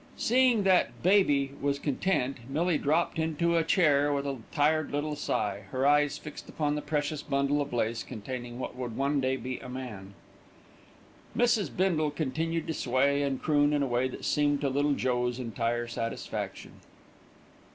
Seeing that "Baby" was content, Millie dropped into a chair with a tired little sigh, her eyes fixed upon the precious bundle of lace containing what would one day be a man. Mrs. Bindle continued to sway and croon in a way that seemed to Little Joe's entire satisfaction.